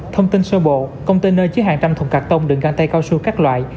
thông tin sơ bộ container chứa hàng trăm thùng cắt tông đựng găng tay cao su các loại